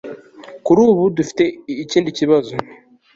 kuri ubu, dufite ikindi kibazo